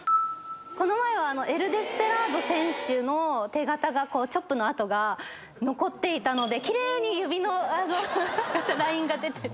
この前はエル・デスペラード選手のチョップの痕が残っていたので奇麗に指のラインが出てて。